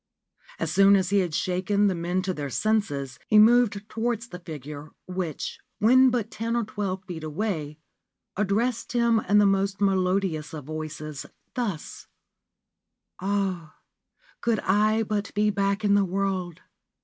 As soon as he had shaken the men to their senses, he moved towards the figure, which, when but ten or twelve feet away, addressed him in the most melodious of voices, thus :' Ah ! could I but be back in the world